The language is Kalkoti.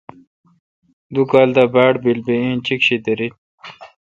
دو کال دا باڑ پیل بہ انچیک شی دریل۔